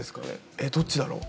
えっどっちだろう。